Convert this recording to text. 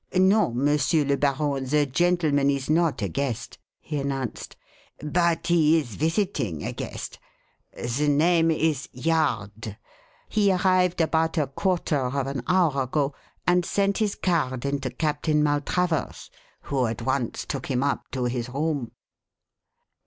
"No, Monsieur le Baron, the gentleman is not a guest," he announced. "But he is visiting a guest. The name is Yard. He arrived about a quarter of an hour ago and sent his card in to Captain Maltravers, who at once took him up to his room."